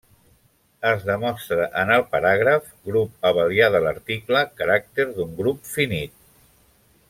Es demostra en el paràgraf grup abelià de l'article Caràcter d'un grup finit.